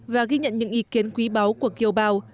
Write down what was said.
và ghi nhận những ý kiến quý báu của kiều bào